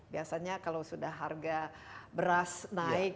biasanya kalau sudah harga beras naik